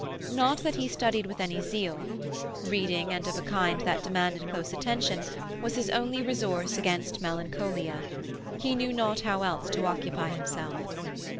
Not that he studied with any zeal; reading, and of a kind that demanded close attention, was his only resource against melancholia; he knew not how else to occupy himself.